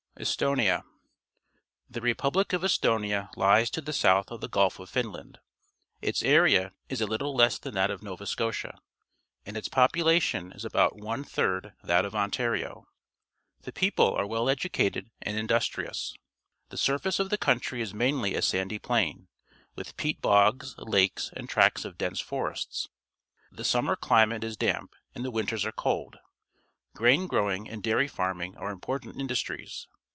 Estonia. — The republic of Estonia lies to the south of the Gulf of Finland'. Its area is a little less than that of Nova Scotia, and its population is about one third that of Ontario. The people are well educated and industrious. The surface of the country is mainly a sandy plain, with peat bogs, lakes, and tracts of dense forests. The summer climate is damp, and the winters are cold. Grain growing and dairy farming are important industries.